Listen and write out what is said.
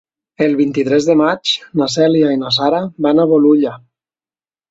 El vint-i-tres de maig na Cèlia i na Sara van a Bolulla.